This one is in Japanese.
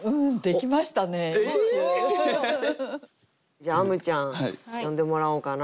じゃああむちゃん詠んでもらおうかな。